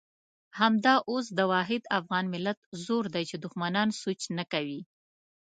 همدا اوس د واحد افغان ملت زور دی چې دښمنان سوچ نه کوي.